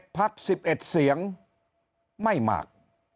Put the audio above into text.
พัก๑๑เสียงไม่มาก